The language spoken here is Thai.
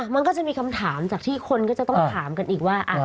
มันก็จะมีคำถามจากที่คนก็จะต้องถามกันอีกว่า